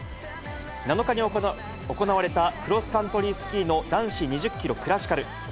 ７日に行われたクロスカントリースキーの男子２０キロクラシカル。